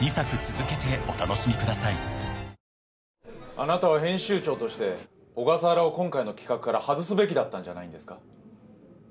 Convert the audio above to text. あなたは編集長として小笠原を今回の企画から外すべきだったんじゃないんですか？